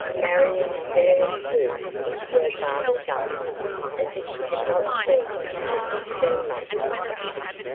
Marion fairly flew into her father's arms as if she had not seen him for sixteen months.